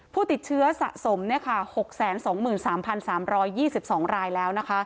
ผู้ติดเชื้อสะสม๖๒๓๓๒๒รายแล้วนะคะ